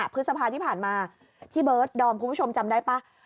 พฤษภาที่ผ่านมาพี่เบิร์ดดอมคุณผู้ชมจำได้ป่ะ